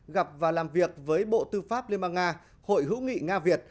gặp và làm việc với bộ tư pháp liên bang nga hội hữu nghị nga việt